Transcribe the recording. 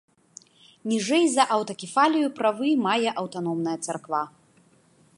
Ніжэй за аўтакефалію правы мае аўтаномная царква.